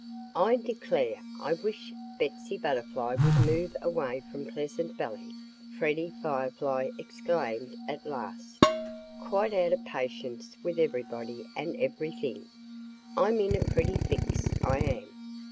"I declare, I wish Betsy Butterfly would move away from Pleasant Valley!" Freddie Firefly exclaimed at last, quite out of patience with everybody and everything. "I'm in a pretty fix, I am!